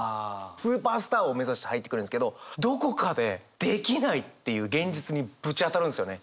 スーパースターを目指して入ってくるんですけどどこかでできないっていう現実にぶち当たるんですよね。